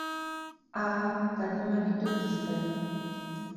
Áá, tady má někdo písek.